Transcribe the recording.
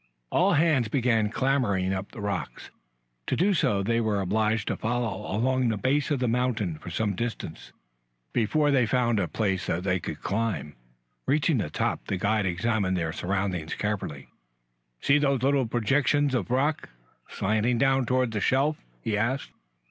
All hands began clambering up the rocks. To do so they were obliged to follow along the base of the mountain for some distance before they found a place that they could climb. Reaching the top, the guide examined their surroundings carefully. "See those little projections of rock slanting down toward the shelf?" he asked.